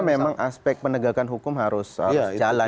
memang aspek penegakan hukum harus jalan